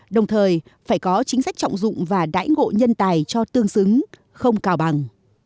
đồng thời phải có chính sách trọng dụng và đãi ngộ nhân tài cho tương xứng không cào bằng